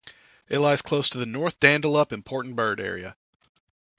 It lies close to the North Dandalup Important Bird Area.